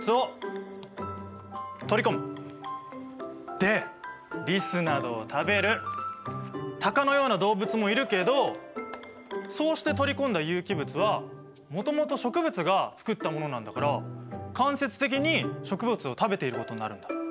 でリスなどを食べるタカのような動物もいるけどそうして取り込んだ有機物はもともと植物が作ったものなんだから間接的に植物を食べていることになるんだ。